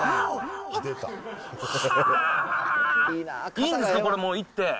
いいんですか、これもう、行って。